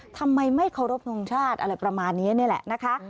ทำไมไม่เคารพทรงชาติอะไรประมาณนี้นี่แหละนะคะ